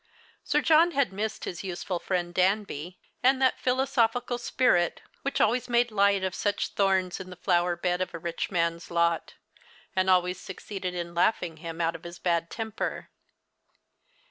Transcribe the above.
Sir John had missed his useful friend Danby, and that philosophical spirit which always made light of such 86 The Chrlstmas Hirelings. thorns in the flower bed of a rich man's lot, and always succeeded in laughing him out of his bad temper.